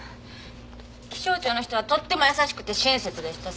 気象庁の人はとっても優しくて親切でした。